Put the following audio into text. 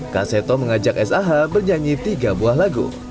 kak seto mengajak sah bernyanyi tiga buah lagu